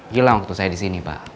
hilang waktu saya di sini pak